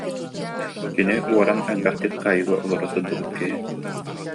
Кини уоран элбэхтик хаайыыга олоро сылдьыбыт киһи